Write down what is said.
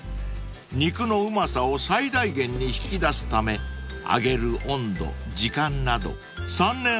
［肉のうまさを最大限に引き出すため揚げる温度時間など３年半も試行錯誤を重ね